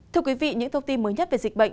thưa quý vị những thông tin mới nhất về dịch bệnh